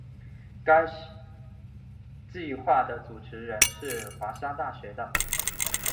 该计画的主持人是华沙大学的。